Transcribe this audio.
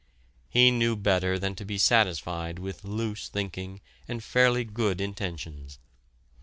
He knew better than to be satisfied with loose thinking and fairly good intentions.